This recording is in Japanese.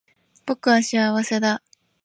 僕は幸せだ